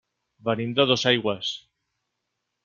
Venim de Dosaigües.